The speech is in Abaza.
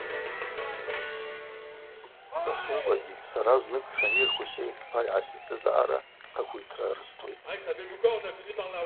Дасузлакӏгьи сара зныкӏ Шамиль Хуссейн йпа йгӏаситыз аъара хъахвитра рыстлитӏ.